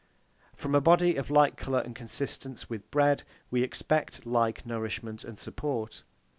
From a body of like colour and consistence with bread we expect like nourishment and support.